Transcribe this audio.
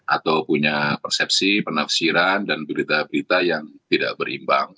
atau punya persepsi penafsiran dan berita berita yang tidak berimbang